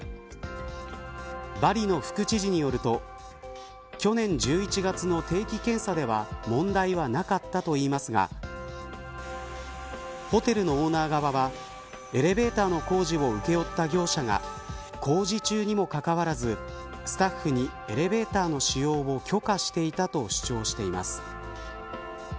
バリの副知事によると去年１１月の定期検査では問題はなかったといいますがホテルのオーナー側はエレベーターの工事を請負った業者が工事中にもかかわらずスタッフに、エレベーターの使用を許可していたと主張しています。